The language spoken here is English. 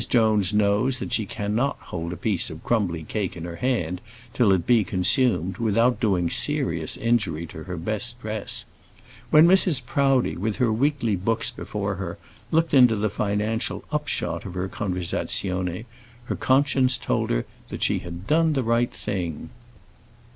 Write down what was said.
Jones knows that she cannot hold a piece of crumbly cake in her hand till it be consumed without doing serious injury to her best dress. When Mrs. Proudie, with her weekly books before her, looked into the financial upshot of her conversazione, her conscience told her that she had done the right thing.